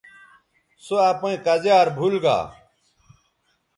سو اپئیں کزیار بھول گا